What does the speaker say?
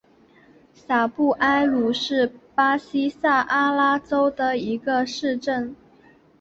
萨布埃鲁是巴西塞阿拉州的一个市镇。